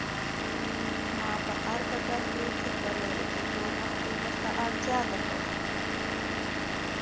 ما په هر ډګر کې تر بريالي کېدو مخکې ورته اړتيا درلوده.